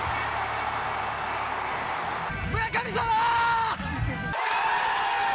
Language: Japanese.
村神様！